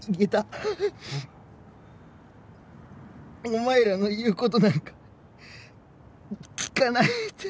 お前らの言うことなんか聞かないって。